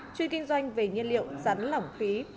chuyên kinh doanh về nhiên liệu rắn lỏng phí